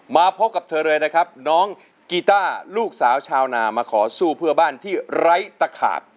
มาพบกับเธอเลยนะครับน้องกีต้าลูกสาวชาวนามาขอสู้เพื่อบ้านที่ไร้ตะขาด